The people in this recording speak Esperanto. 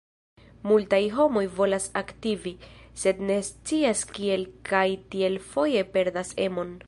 Multaj homoj volas aktivi, sed ne scias kiel kaj tiel foje perdas emon.